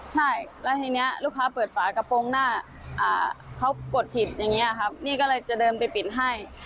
ใช่แล้วทีนี้ลูกค้าเปิดฝากระโปรงหน้าเขากดผิดอย่างนี้ครับนี่ก็เลยจะเดินไปปิดให้